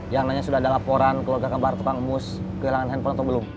yang nanya sudah ada laporan keluarga kembar tukang mus kehilangan handphone atau belum